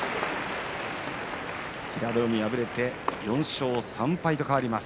平戸海は敗れて４勝３敗と変わります。